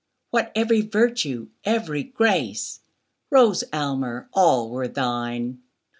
What every virtue, every grace! Rose Aylmer, all were thine.